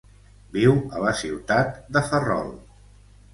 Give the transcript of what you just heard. Viu a la ciutat de Ferrol.